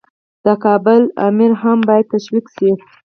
د کابل امیر هم باید تشویق شي.